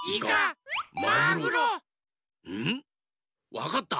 わかった。